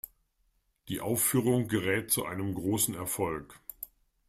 Die Aufführung gerät zu einem großen Erfolg.